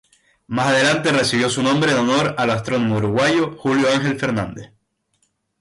Más adelante recibió su nombre en honor al astrónomo uruguayo Julio Ángel Fernández.